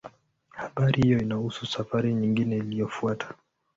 Habari hiyo inahusu safari nyingine iliyofuata.